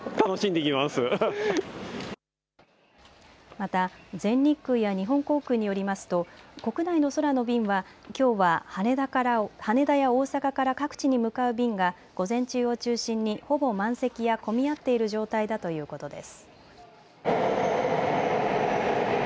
また全日空や日本航空によりますと国内の空の便はきょうは羽田や大阪から各地に向かう便が午前中を中心にほぼ満席や混み合っている状態だということです。